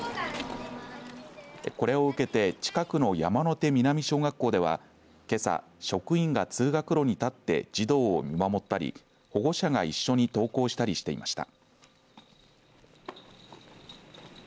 これを受けて近くの山の手南小学校ではけさ職員が通学路に立って児童を見守ったり保護者が一緒に登校したりしていました。